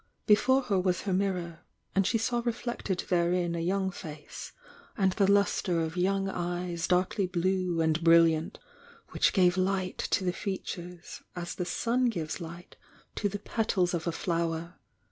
Before her was her mirror, and she saw ^fleeted therein a young face, and the lustre of young eyes darkly blue Ld brilliant, which gave light to the feature as the sun gives Ught to the petals of a flower.